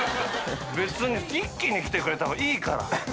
別に一気にきてくれた方がいいから。